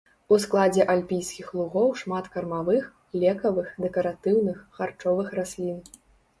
У складзе альпійскіх лугоў шмат кармавых, лекавых, дэкаратыўных, харчовых раслін.